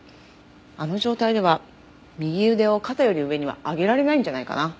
あの状態では右腕を肩より上には上げられないんじゃないかな。